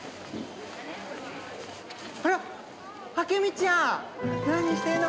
あらっ明美ちゃん！何してるの？